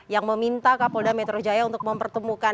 yang meminta kapolda metro jaya untuk mempertemukan